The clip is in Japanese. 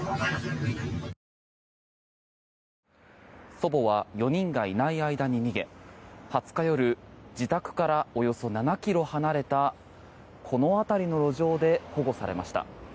祖母は４人がいない間に逃げ２０日夜自宅からおよそ７ｋｍ離れたこの辺りの路上で保護されました。